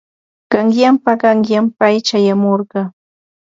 Qanyanpa qanyan pay chayamurqa.